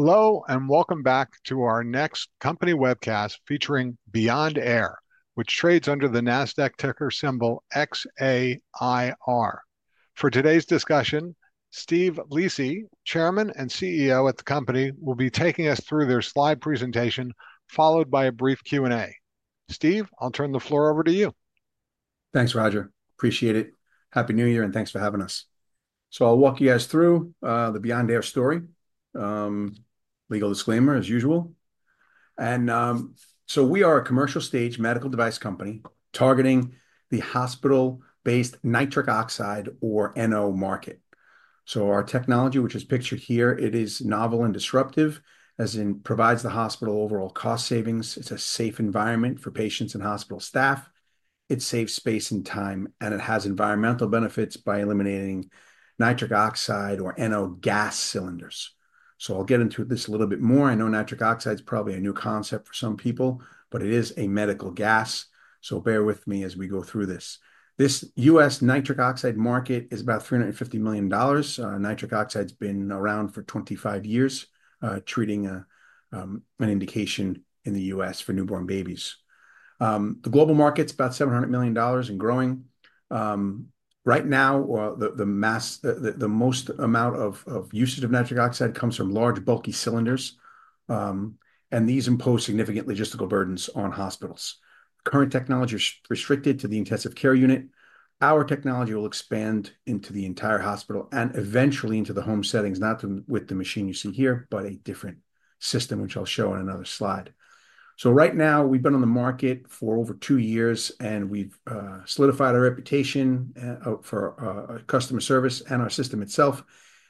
Hello and welcome back to our next company webcast featuring Beyond Air, which trades under the NASDAQ ticker symbol XAIR. For today's discussion, Steve Lisi, Chairman and CEO at the company, will be taking us through their slide presentation, followed by a brief Q&A. Steve, I'll turn the floor over to you. Thanks, Roger. Appreciate it. Happy New Year and thanks for having us. So I'll walk you guys through the Beyond Air story. Legal disclaimer, as usual. And so we are a commercial stage medical device company targeting the hospital-based nitric oxide, or NO, market. So our technology, which is pictured here, is novel and disruptive, as in it provides the hospital overall cost savings a safe environment for patients and hospital staff. It saves space and time, and it has environmental benefits by eliminating nitric oxide, or NO, gas cylinders. So I'll get into this a little bit moreI i know nitric oxide is probably a new concept for some people, but it is a medical gas. So bear with me as we go through this. This U.S. nitric oxide market is about $350 million, nitric oxide has been around for 25 years, treating an indication in the U.S. for newborn babies. The global market is about $700 million and growing. Right now, the most amount of usage of nitric oxide comes from large, bulky cylinders, and these impose significant logistical burdens on hospitals. Current technology is restricted to the intensive care unit. Our technology will expand into the entire hospital and eventually into the home settings not with the machine you see here, but a different system, which I'll show on another slide. So right now, we've been on the market for over two years, and we've solidified our reputation for customer service and our system itself.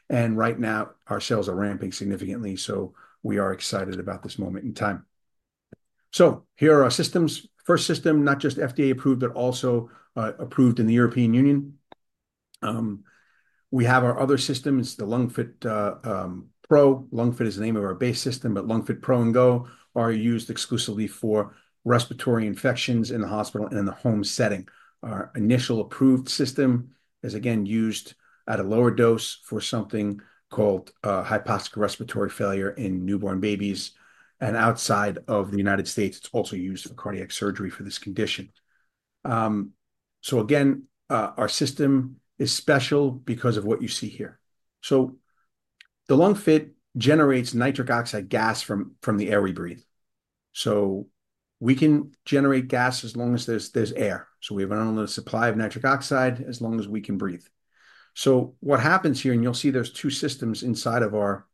And right now, our sales are ramping significantly so, we are excited about this moment in time. So here are our systems. First system, not just FDA approved, but also approved in the European Union. We have our other systems The LungFit Pro, LungFit is the name of our base system, but LungFit Pro and Go are used exclusively for respiratory infections in the hospital and in the home setting. Our initial approved system is again used at a lower dose for something called hypoxic respiratory failure in newborn babies, and outside of the United States, it's also used for cardiac surgery for this condition. So again, our system is special because of what you see here, so the LungFit generates nitric oxide gas from the air we breathe. So we can generate gas as long as there's air. So we have an unlimited supply of nitric oxide as long as we can breathe, so what happens here, and you'll see there's two chambers inside of our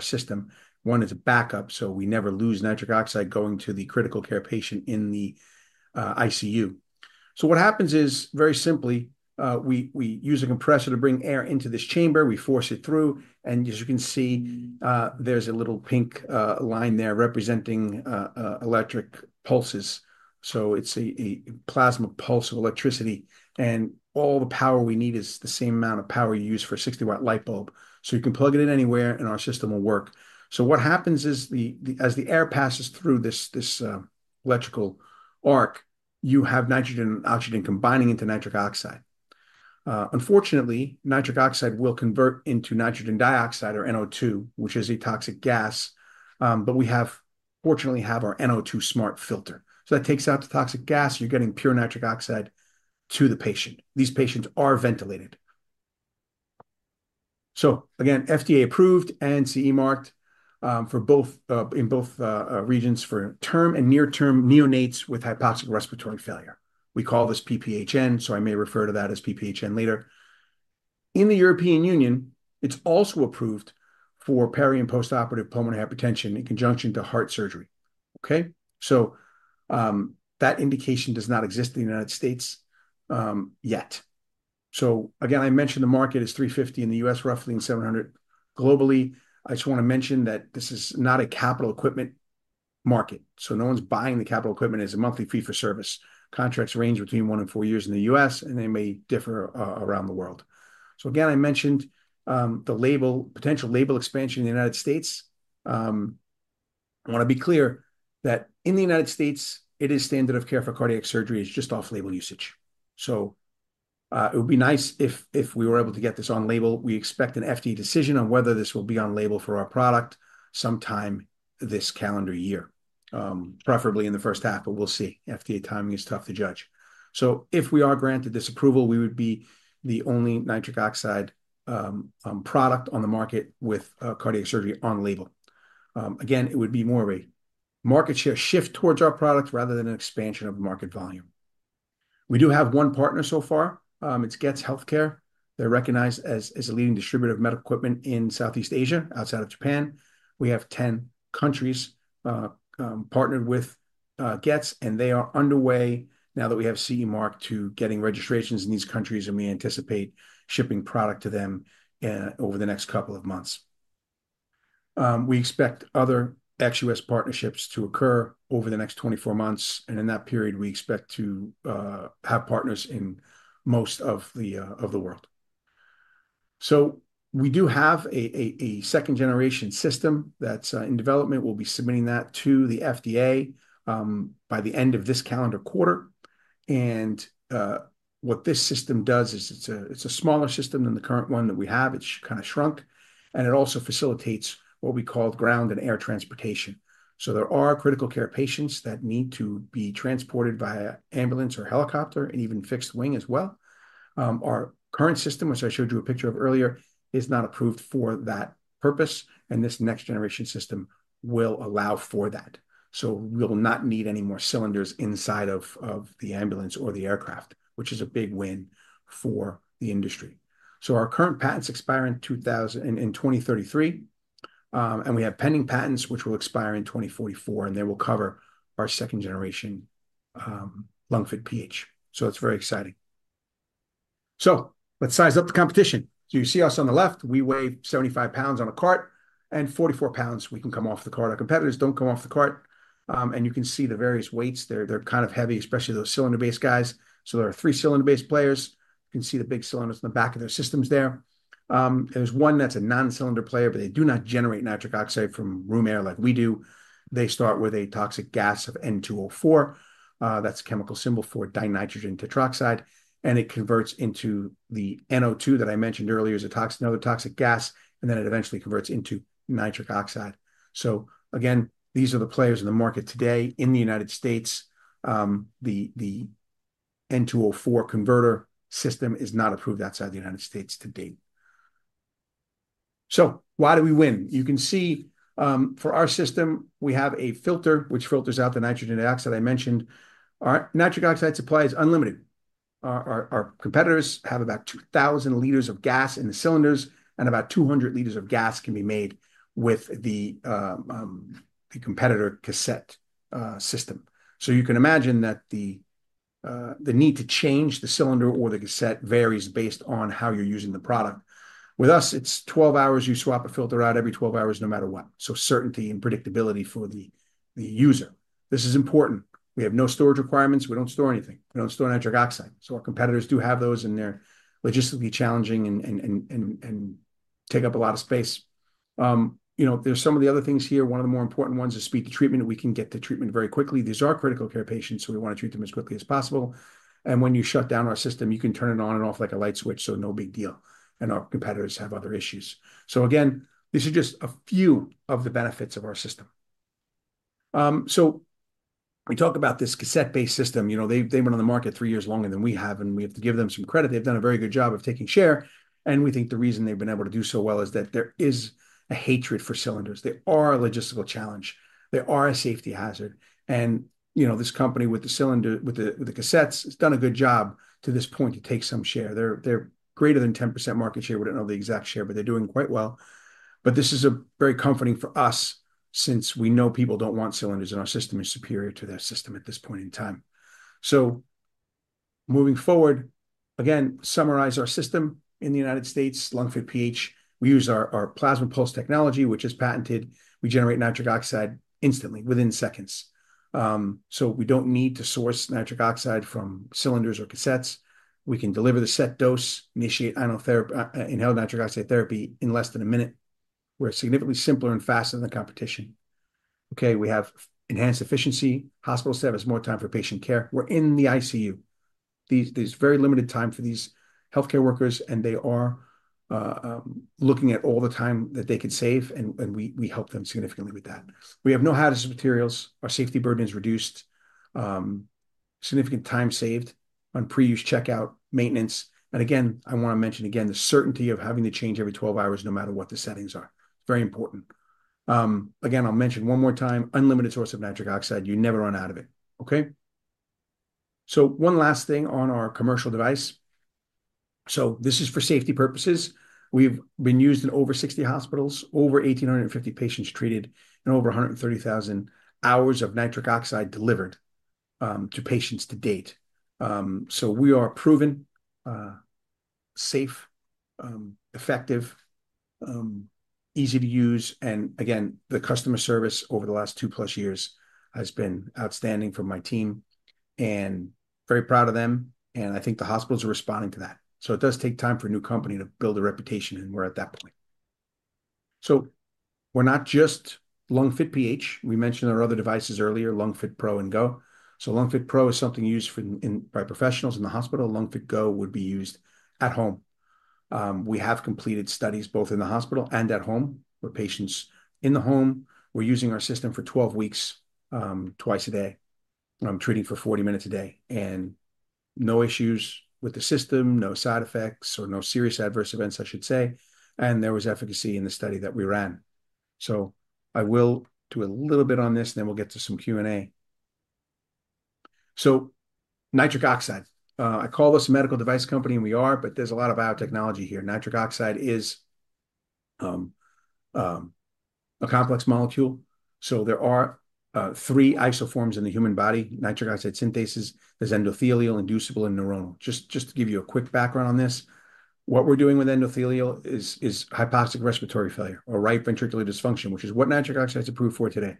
system. One is a backup, so we never lose nitric oxide going to the critical care patient in the ICU. So what happens is, very simply, we use a compressor to bring air into this chamber we force it through. And as you can see, there's a little pink line there representing electric pulses. So it's a plasma pulse of electricity. And all the power we need is the same amount of power you use for a 60-watt light bulb. So you can plug it in anywhere, and our system will work. So what happens is, as the air passes through this electrical arc, you have nitrogen and oxygen combining into nitric oxide. Unfortunately, nitric oxide will convert into nitrogen dioxide, or NO2, which is a toxic gas. But we fortunately have our NO2 Smart Filter. So that takes out the toxic gas you're getting pure nitric oxide to the patient. These patients are ventilated. So again, FDA approved and CE marked in both regions for term and near-term neonates with hypoxic respiratory failure. We call this PPHN, so I may refer to that as PPHN later. In the European Union, it's also approved for peri- and post-operative pulmonary hypertension in conjunction to heart surgery okay? So that indication does not exist in the United States yet. So again, I mentioned the market is $350 million in the U.S., roughly $700 million globally. I just want to mention that this is not a capital equipment market. So no one's buying the capital equipment it's a monthly fee for service. Contracts range between one and four years in the U.S., and they may differ around the world. So again, I mentioned the potential label expansion in the United States. I want to be clear that in the United States, it is standard of care for cardiac surgery it's just off-label usage. So it would be nice if we were able to get this on label we expect an FDA decision on whether this will be on label for our product sometime this calendar year, preferably in the first half, but we'll see FDA timing is tough to judge. So if we are granted this approval, we would be the only nitric oxide product on the market with cardiac surgery on label. Again, it would be more of a market share shift towards our product rather than an expansion of market volume. We do have one partner so far. It's Getz Healthcare. They're recognized as a leading distributor of medical equipment in Southeast Asia, outside of Japan. We have 10 countries partnered with Getz, and they are underway, now that we have CE marked, to getting registrations in these countries, and we anticipate shipping product to them over the next couple of months. We expect other XUS partnerships to occur over the next 24 months and in that period, we expect to have partners in most of the world. So we do have a second-generation system that's in development we'll be submitting that to the FDA by the end of this calendar quarter. And what this system does is it's a smaller system than the current one that we have it's kind of shrunk. And it also facilitates what we call ground and air transportation. So there are critical care patients that need to be transported via ambulance or helicopter and even fixed wing as well. Our current system, which I showed you a picture of earlier, is not approved for that purpose, and this next-generation system will allow for that, so we'll not need any more cylinders inside of the ambulance or the aircraft, which is a big win for the industry, so our current patents expire in 2033, and we have pending patents which will expire in 2044, and they will cover our second-generation LungFit PH, so it's very exciting. So let's size up the competition, so you see us on the left. We weigh 75 pounds on a cart, and 44 pounds, we can come off the cart our competitors don't come off the cart, and you can see the various weights they're kind of heavy, especially those cylinder-based guys, so there are three cylinder-based players. You can see the big cylinders in the back of their systems there. There's one that's a non-cylinder player, but they do not generate nitric oxide from room air like we do. They start with a toxic gas of N2O4. That's a chemical symbol for dinitrogen tetroxide. And it converts into the NO2 that I mentioned earlier as another toxic gas. And then it eventually converts into nitric oxide. So again, these are the players in the market today in the United States. The N2O4 converter system is not approved outside the United States to date. So why do we win? You can see for our system, we have a filter which filters out the nitrogen dioxide I mentioned. Our nitric oxide supply is unlimited. Our competitors have about 2,000 liters of gas in the cylinders, and about 200 liters of gas can be made with the competitor cassette system. You can imagine that the need to change the cylinder or the cassette varies based on how you're using the product. With us, it's 12 hours you swap a filter out every 12 hours, no matter what so certainty and predictability for the user. This is important. We have no storage requirements we don't store anything. We don't store nitric oxide. So our competitors do have those, and they're logistically challenging and take up a lot of space. There's some of the other things here one of the more important ones is speed to treatment we can get to treatment very quickly these are critical care patients, so we want to treat them as quickly as possible. And when you shut down our system, you can turn it on and off like a light switch, so no big deal. And our competitors have other issues. So again, these are just a few of the benefits of our system. So we talk about this cassette-based system they've been on the market three years longer than we have, and we have to give them some credit they've done a very good job of taking share. And we think the reason they've been able to do so well is that there is a hatred for cylinders they are a logistical challenge. They are a safety hazard. And this company with the cylinder, with the cassettes, has done a good job to this point to take some share they're greater than 10% market share we don't know the exact share, but they're doing quite well. But this is very comforting for us since we know people don't want cylinders, and our system is superior to their system at this point in time. So moving forward. Again, summarize our system in the United States, LungFit PH. We use our plasma pulse technology, which is patented. We generate nitric oxide instantly, within seconds. So we don't need to source nitric oxide from cylinders or cassettes. We can deliver the set dose, initiate inhaled nitric oxide therapy in less than a minute. We're significantly simpler and faster than the competition. Okay? We have enhanced efficiency. Hospitals have more time for patient care we're in the ICU. There's very limited time for these healthcare workers, and they are looking at all the time that they can save, and we help them significantly with that. We have no hazardous materials. Our safety burden is reduced. Significant time saved on pre-use checkout maintenance. And again, I want to mention again the certainty of having to change every 12 hours, no matter what the settings are. It's very important. Again, I'll mention one more time, unlimited source of nitric oxide you never run out of it. Okay? So one last thing on our commercial device. So this is for safety purposes. We've been used in over 60 hospitals, over 1,850 patients treated, and over 130,000 hours of nitric oxide delivered to patients to date. So we are proven, safe, effective, easy to use. And again, the customer service over the last two-plus years has been outstanding for my team and very proud of them. And I think the hospitals are responding to that. So it does take time for a new company to build a reputation, and we're at that point. So we're not just LungFit PH we mentioned our other devices earlier, LungFit Pro and Go. So LungFit Pro is something used by professionals in the hospital LungFit Go would be used at home. We have completed studies both in the hospital and at home. We treat patients in the home. We're using our system for 12 weeks, twice a day, treating for 40 minutes a day and, no issues with the system, no side effects, or no serious adverse events, I should say. And there was efficacy in the study that we ran. So I will do a little bit on this, and then we'll get to some Q&A. So nitric oxide. I call this a medical device company, and we are, but there's a lot of biotechnology here. Nitric oxide is a complex molecule. So there are three isoforms in the human body: nitric oxide synthase, there's endothelial, inducible, and neuronal just to give you a quick background on this, what we're doing with endothelial is hypoxic respiratory failure or right ventricular dysfunction, which is what nitric oxide is approved for today.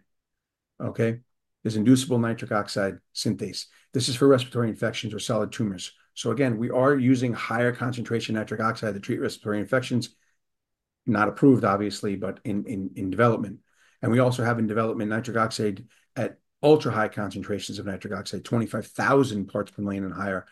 Okay? There's inducible nitric oxide synthase. This is for respiratory infections or solid tumors, so again, we are using higher concentration nitric oxide to treat respiratory infections. Not approved, obviously, but in development, and we also have in development nitric oxide at ultra-high concentrations of nitric oxide, 25,000 parts per million and higher,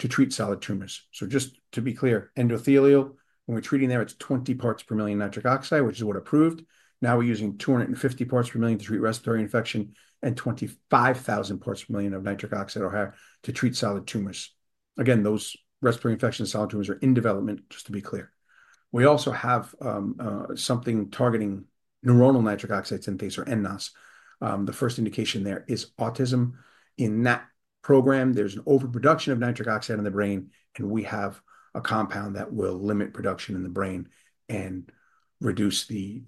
to treat solid tumors, so just to be clear, endothelial, when we're treating there, it's 20 parts per million nitric oxide, which is what's approved. Now we're using 250 parts per million to treat respiratory infection and 25,000 parts per million of nitric oxide or higher to treat solid tumors. Again, those respiratory infections, solid tumors are in development, just to be clear. We also have something targeting neuronal nitric oxide synthase, or nNOS. The first indication there is autism. In that program, there's an overproduction of nitric oxide in the brain, and we have a compound that will limit production in the brain and reduce the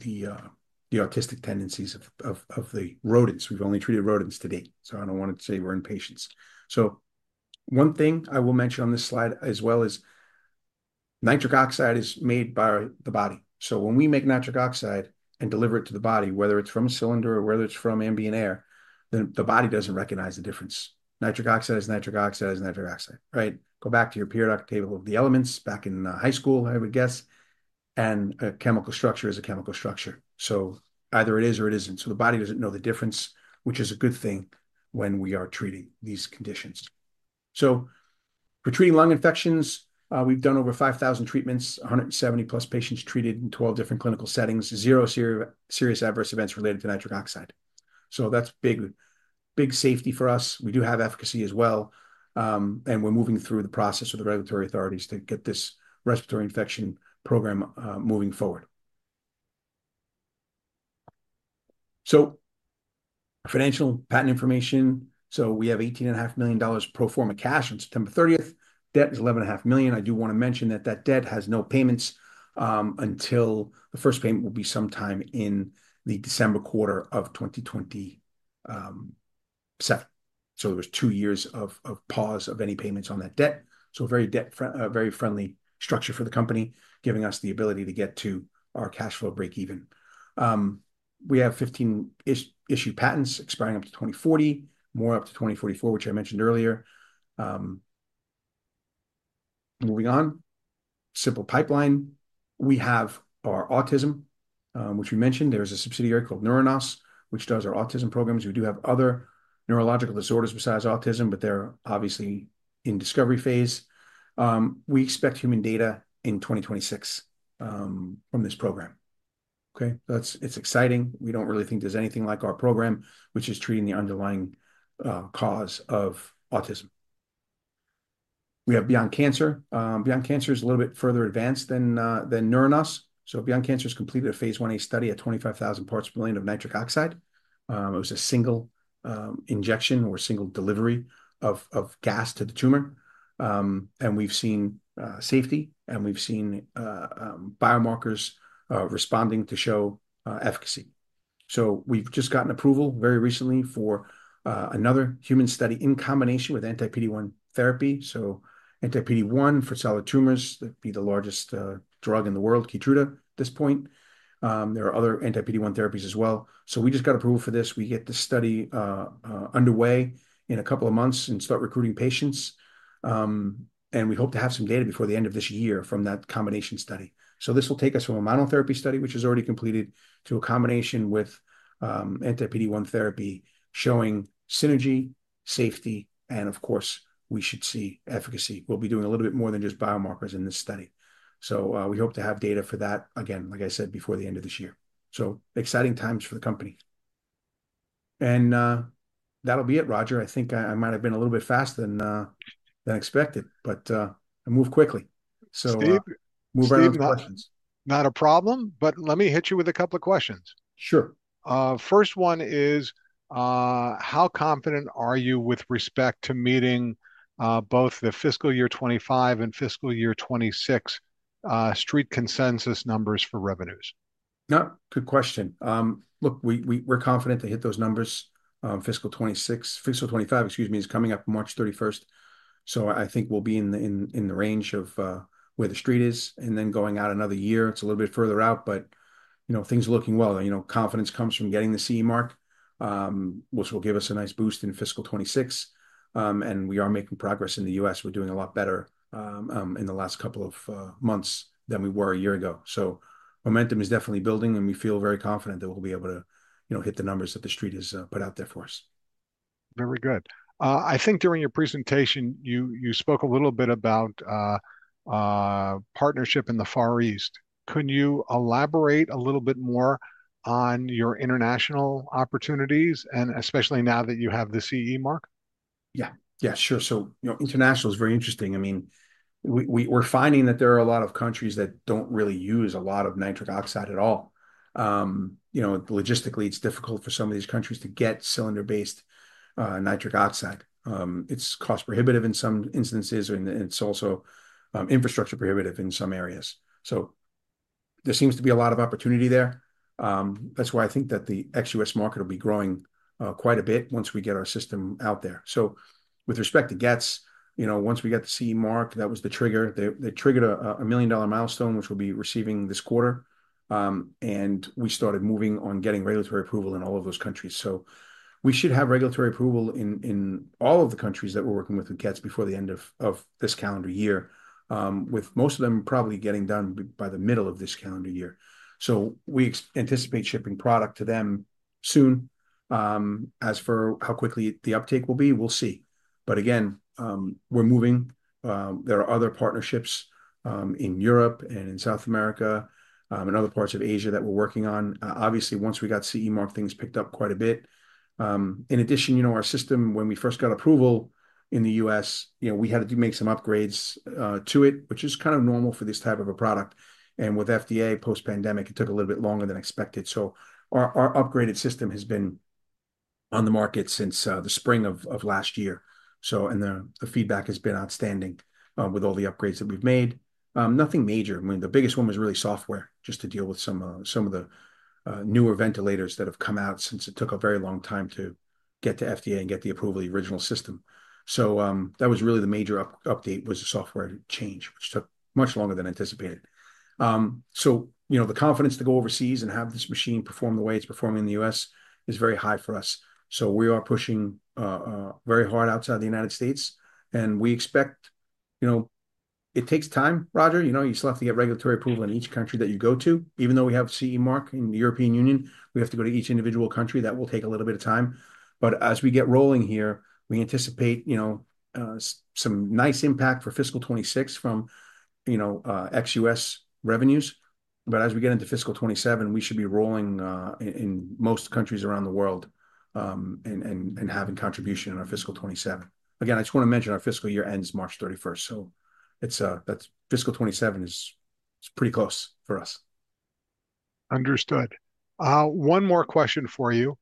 autistic tendencies of the rodents we've only treated rodents to date so I don't want to say we're in patients. So one thing I will mention on this slide as well is nitric oxide is made by the body. So when we make nitric oxide and deliver it to the body, whether it's from a cylinder or whether it's from ambient air, the body doesn't recognize the difference. Nitric oxide is nitric oxide is nitric oxide, right? Go back to your periodic table of the elements back in high school, I would guess. And a chemical structure is a chemical structure. So either it is or it isn't so the body doesn't know the difference, which is a good thing when we are treating these conditions. So for treating lung infections, we've done over 5,000 treatments, 170-plus patients treated in 12 different clinical settings, zero serious adverse events related to nitric oxide. So that's big safety for us. We do have efficacy as well. And we're moving through the process with the regulatory authorities to get this respiratory infection program moving forward. So financial patent information. So we have $18.5 million pro forma cash on September 30th. Debt is $11.5 million i do want to mention that that debt has no payments until the first payment will be sometime in the December quarter of 2027, So there was two years of pause of any payments on that debt. So a very friendly structure for the company, giving us the ability to get to our cash flow break-even. We have 15 issued patents expiring up to 2040, more up to 2044, which I mentioned earlier. Moving on. Simple pipeline. We have our autism, which we mentioned there's a subsidiary called Neuronos, which does our autism programs. We do have other neurological disorders besides autism, but they're obviously in discovery phase. We expect human data in 2026 from this program. Okay? It's exciting. We don't really think there's anything like our program, which is treating the underlying cause of autism. We have Beyond Cancer. Beyond Cancer is a little bit further advanced than Neuronos. So Beyond Cancer has completed a phase 1A study at 25,000 parts per million of nitric oxide. It was a single injection or single delivery of gas to the tumor, and we've seen safety, and we've seen biomarkers responding to show efficacy. So we've just gotten approval very recently for another human study in combination with anti-PD-1 therapy so anti-PD-1 for solid tumors, that'd be the largest drug in the world, Keytruda at this point. There are other anti-PD-1 therapies as well. So we just got approval for this we get the study underway in a couple of months and start recruiting patients. And we hope to have some data before the end of this year from that combination study. So this will take us from a monotherapy study, which is already completed, to a combination with anti-PD-1 therapy showing synergy, safety, and of course, we should see efficacy we'll be doing a little bit more than just biomarkers in this study. So we hope to have data for that, again, like I said, before the end of this year. So exciting times for the company. And that'll be it, Roger i think I might have been a little bit faster than expected, but I moved quickly. So move around with questions. Not a problem, but let me hit you with a couple of questions. Sure. First one is, how confident are you with respect to meeting both the fiscal year 2025 and fiscal year 2026 Street consensus numbers for revenues? Good question. Look, we're confident to hit those numbers. Fiscal 2026, fiscal 2025, excuse me, is coming up March 31st. So I think we'll be in the range of where the Street is. And then going out another year, it's a little bit further out, but things are looking well confidence comes from getting the CE Mark, which will give us a nice boost in fiscal 2026. And we are making progress in the U.S. we're doing a lot better in the last couple of months than we were a year ago so, momentum is definitely building, and we feel very confident that we'll be able to hit the numbers that the Street has put out there for us. Very good. I think during your presentation, you spoke a little bit about partnership in the Far East. Could you? elaborate a little bit more on your international opportunities, and especially now that you have the CE mark? Yeah. Yeah, sure. So international is very interesting. I mean, we're finding that there are a lot of countries that don't really use a lot of nitric oxide at all. Logistically, it's difficult for some of these countries to get cylinder-based nitric oxide. It's cost-prohibitive in some instances, and it's also infrastructure-prohibitive in some areas. So there seems to be a lot of opportunity there. That's why I think that the ex-US market will be growing quite a bit once we get our system out there. So with respect to Getz, once we got the CE Mark, that was the trigger they triggered a $1 million milestone, which we'll be receiving this quarter. And we started moving on getting regulatory approval in all of those countries so, we should have regulatory approval in all of the countries that we're working with Getz before the end of this calendar year. With most of them probably getting done by the middle of this calendar year. So we anticipate shipping product to them soon. As for how quickly the uptake will be, we'll see. But again, we're moving. There are other partnerships in Europe and in South America and other parts of Asia that we're working on obviously, once we got CE Mark, things picked up quite a bit. In addition, our system, when we first got approval in the U.S., we had to make some upgrades to it, which is kind of normal for this type of a product, and with FDA, post-pandemic, it took a little bit longer than expected, so our upgraded system has been on the market since the spring of last year, and the feedback has been outstanding with all the upgrades that we've made. Nothing major i mean, the biggest one was really software, just to deal with some of the newer ventilators that have come out since it took a very long time to get to FDA and get the approval of the original system, so that was really the major update, was the software change, which took much longer than anticipated. So the confidence to go overseas and have this machine perform the way it's performing in the U.S. is very high for us. So we are pushing very hard outside the United States. And we expect it takes time, Roger you still have to get regulatory approval in each country that you go to. Even though we have CE Mark in the European Union, we have to go to each individual country, that will take a little bit of time. But as we get rolling here, we anticipate some nice impact for fiscal 2026 from ex-U.S. revenues. But as we get into fiscal 2027, we should be rolling in most countries around the world and having contribution in our fiscal 2027. Again, I just want to mention our fiscal year ends March 31st. So that's fiscal 2027 is pretty close for us. Understood. One more question for you.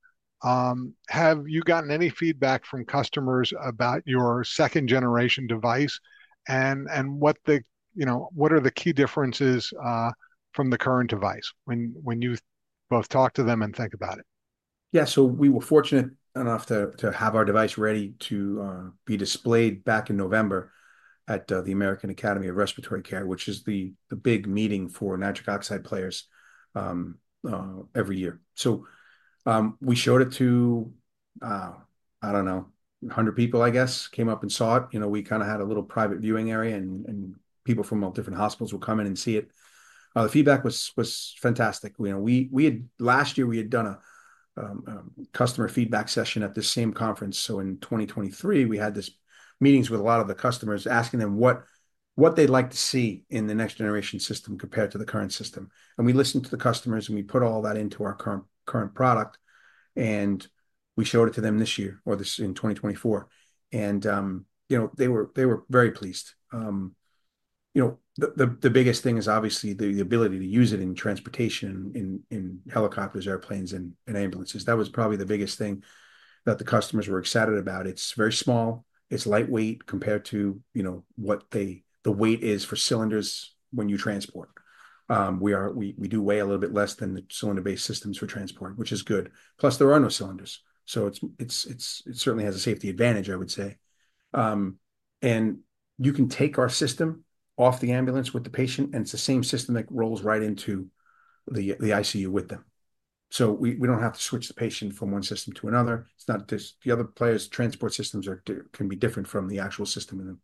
Have you gotten any feedback from customers about your second-generation device and what are the key differences from the current device when you both talk to them and think about it? Yeah. So we were fortunate enough to have our device ready to be displayed back in November at the American Academy of Respiratory Care, which is the big meeting for nitric oxide players every year so, we showed it to, I don't know, 100 people, I guess, came up and saw it we kind of had a little private viewing area, and people from all different hospitals would come in and see it. The feedback was fantastic. Last year, we had done a customer feedback session at the same conference so in 2023, we had these meetings with a lot of the customers asking them what they'd like to see in the next-generation system compared to the current system. We listened to the customers, and we put all that into our current product. We showed it to them this year or this in 2024. They were very pleased. The biggest thing is obviously the ability to use it in transportation, in helicopters, airplanes, and ambulances that was probably the biggest thing that the customers were excited about it's very small. It's lightweight compared to what the weight is for cylinders when you transport. We do weigh a little bit less than the cylinder-based systems for transport, which is good. Plus, there are no cylinders. It certainly has a safety advantage, I would say. You can take our system off the ambulance with the patient, and it's the same system that rolls right into the ICU with them. We don't have to switch the patient from one system to another it's not just the other players' transport systems can be different from the actual system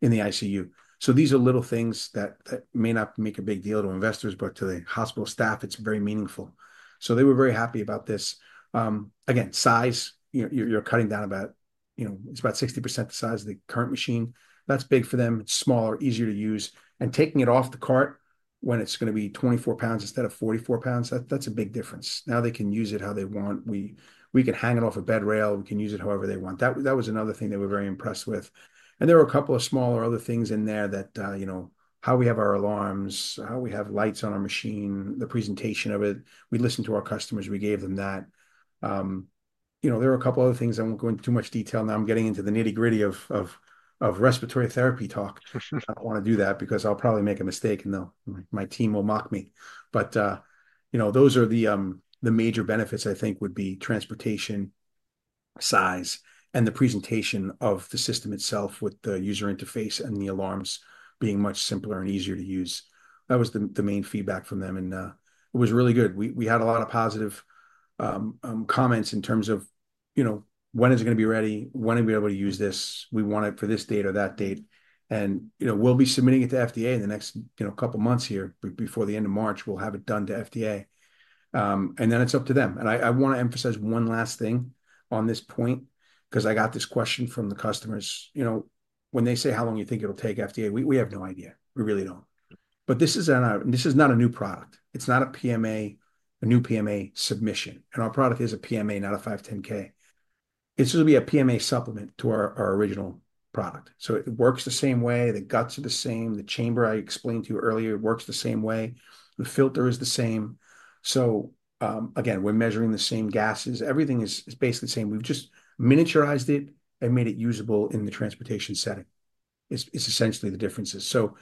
in the ICU. So these are little things that may not make a big deal to investors, but to the hospital staff, it's very meaningful. So they were very happy about this. Again, size, you're cutting down about 60% the size of the current machine. That's big for them it's smaller, easier to use and taking it off the cart when it's going to be 24 lbs instead of 44 lbs, that's a big difference. Now they can use it how they want. We can hang it off a bed rail. We can use it however they want that was another thing they were very impressed with. And there were a couple of smaller other things in there that how we have our alarms, how we have lights on our machine, the presentation of it. We listened to our customers we gave them that. There were a couple of other things i won't go into too much detail now I'm getting into the nitty-gritty of respiratory therapy talk. I don't want to do that because I'll probably make a mistake, and my team will mock me. But those are the major benefits I think would be transportation, size, and the presentation of the system itself with the user interface and the alarms being much simpler and easier to use. That was the main feedback from them. And it was really good we had a lot of positive comments in terms of when is it going to be ready? When are we able to use this? We want it for this date or that date. And we'll be submitting it to FDA in the next couple of months here before the end of March, we'll have it done to FDA. And then it's up to them and I want to emphasize one last thing on this point because I got this question from the customers. When they say, "How long do you think it'll take?" FDA, we have no idea we really don't. But this is not a new product. It's not a PMA, a new PMA submission. And our product is a PMA, not a 510(k). It's going to be a PMA supplement to our original product. So it works the same way the guts are the same the chamber I explained to you earlier works the same way. The filter is the same. So again, we're measuring the same gases everything is basically the same we've just miniaturized it and made it usable in the transportation setting. It's essentially the differences so,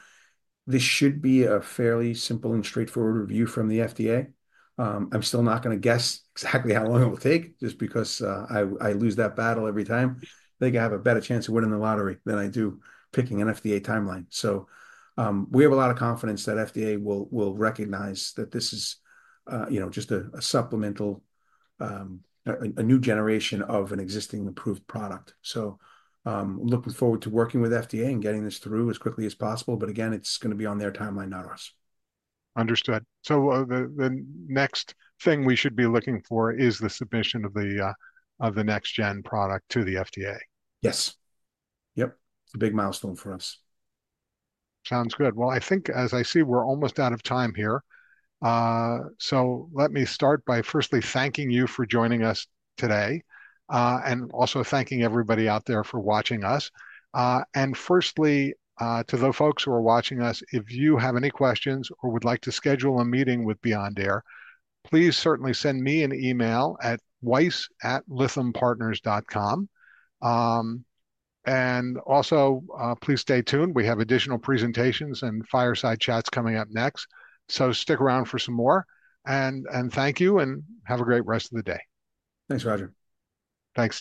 this should be a fairly simple and straightforward review from the FDA. I'm still not going to guess exactly how long it will take just because I lose that battle every time. I think I have a better chance of winning the lottery than I do picking an FDA timeline so, we have a lot of confidence that FDA will recognize that this is just a supplemental, a new generation of an existing improved product so, looking forward to working with FDA and getting this through as quickly as possible but again, it's going to be on their timeline, not ours. Understood. So the next thing we should be looking for is the submission of the next-gen product to the FDA. Yes. Yep. It's a big milestone for us. Sounds good well, I think, as I see, we're almost out of time here. So let me start by firstly thanking you for joining us today and also thanking everybody out there for watching us. And firstly, to those folks who are watching us, if you have any questions or would like to schedule a meeting with Beyond Air, please certainly send me an email at weiss@lithiumpartners.com. And also, please stay tuned. We have additional presentations and fireside chats coming up next. So stick around for some more. And thank you, and have a great rest of the day. Thanks, Roger. Thanks.